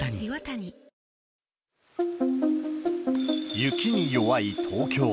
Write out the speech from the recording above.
雪に弱い東京。